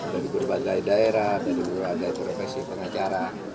dari berbagai daerah dari berbagai profesi pengacara